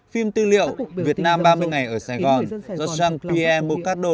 phim tư liệu việt nam ba mươi ngày ở sài gòn do trang pia mô cát đô